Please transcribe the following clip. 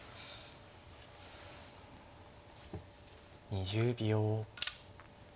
２０秒。